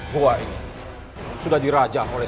gua ini sudah dirajah oleh